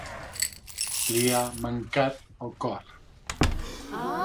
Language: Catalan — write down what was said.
Li ha mancat el cor.